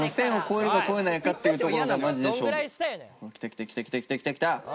きたきたきたきたきたきた！